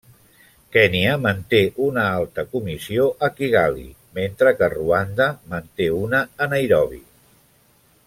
Kenya manté una alta comissió a Kigali, mentre que Ruanda manté una a Nairobi.